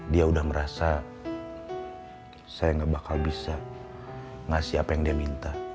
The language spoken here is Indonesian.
dia udah merasa saya gak bakal bisa ngasih apa yang dia minta